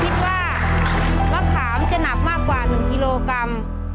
คิดว่ามะขามจะหนักมากกว่า๑กิโลกรัม